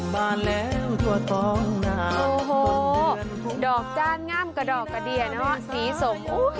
บ้านแล้วกว่าทองนาวโอ้โหดอกจานงามกระดอกกระเดียเนอะสีสมโอ้ย